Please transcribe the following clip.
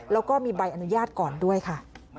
แล้วก็มีใบอนุญาตก่อนด้วยค่ะ